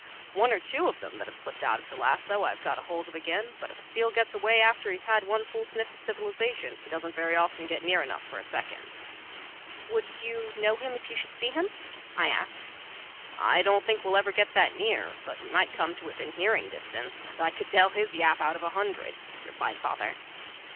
"One or two of them that have slipped out of the lasso I've got hold of again; but if a seal gets away after he's had one full sniff of civilization he doesn't very often get near enough for a second." "Would you know him if you should see him?" I asked. "I don't think we'll ever get that near, but we might come to within hearing distance, and I could tell his yap out of a hundred," replied father.